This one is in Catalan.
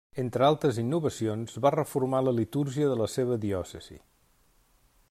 Entre altres innovacions va reformar la litúrgia de la seva diòcesi.